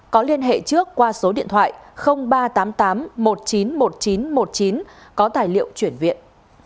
có liên hệ trước qua số điện thoại ba trăm tám mươi tám một nghìn chín mươi một nghìn chín trăm một mươi chín có tài liệu chuyển viện